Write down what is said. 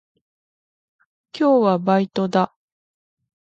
今日はバイトだ。